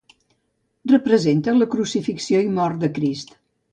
Representa la crucifixió i mort de Crist.